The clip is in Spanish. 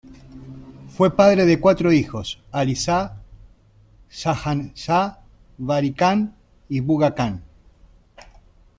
Fue padre de cuatro hijos: 'Ali Shah, Jahan Shah, Vali Khan, y Buga Khan.